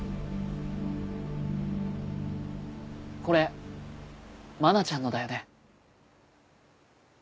これ愛菜ちゃんのだよね？